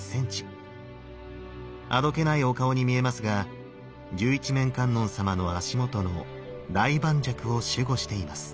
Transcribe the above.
あどけないお顔に見えますが十一面観音様の足元の大磐石を守護しています。